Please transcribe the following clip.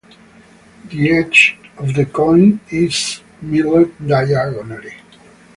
The edge of the coin is milled diagonally.